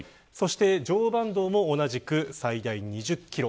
常磐道も同じく最大２０キロ